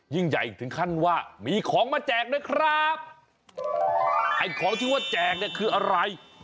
ยิ่งใหญ่ถึงขั้นว่ามีของมาแจกด้วยครับไอ้ของที่ว่าแจกเนี่ยคืออะไร